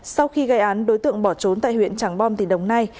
sau khi gây án đối tượng bỏ trốn tại huyện trắng bom tình đồng nai